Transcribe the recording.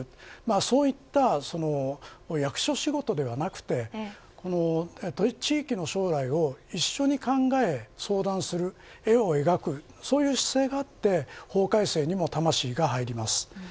そういった役所仕事ではなくて地域の将来を一緒に考え相談する絵を描く、そういう姿勢があって法改正にも魂が入ります。